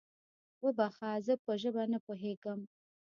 وبخښه، زه په ژبه نه پوهېږم؟